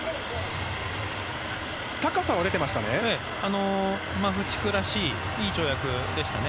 高さは出てましたね。